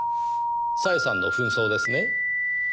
小枝さんの扮装ですね。